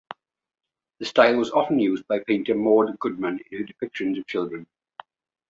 The style was often used by painter Maude Goodman in her depictions of children.